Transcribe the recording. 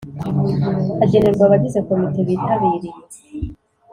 agenerwa abagize Komite bitabiriye